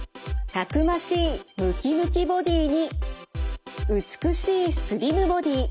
たくましいムキムキボディーに美しいスリムボディー。